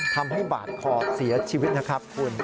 ทำให้บาดคอเสียชีวิตนะครับคุณ